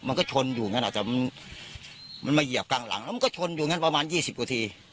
มันก็ชนอยู่นั่นอาจจะมันมันมาเหยียบกลางหลังมันก็ชนอยู่นั่นประมาณยี่สิบกว่าที